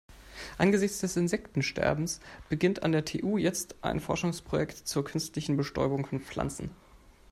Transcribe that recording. Angesichts des Insektensterbens beginnt an der TU jetzt ein Forschungsprojekt zur künstlichen Bestäubung von Pflanzen.